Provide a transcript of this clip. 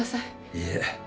いいえ。